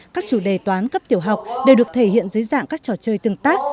các chủ đề toán cấp tiểu học đều được thể hiện dưới dạng các trò chơi tương tác